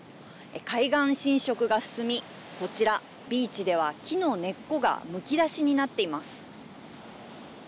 海岸浸食が進み、こちら、ビーチでは木の根っこがむき出しになっています。